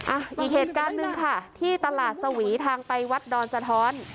อีกเหตุการณ์หนึ่งค่ะที่ตลาดสวีทางไปวัดดอนสะท้อน